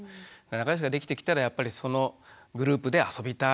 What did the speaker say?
仲よしができてきたらやっぱりそのグループで遊びたい。